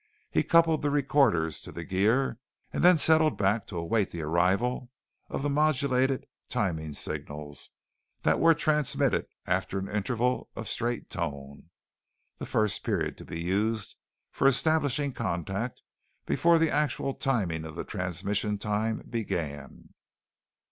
He coupled the recorders to the gear, and then settled back to await the arrival of the modulated timing signals that were transmitted after an interval of straight tone, the first period to be used for establishing contact before the actual timing of the transmission time began.